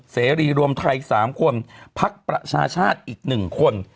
เสรีรวมไทย๓คนพักประชาชาติอีก๑คน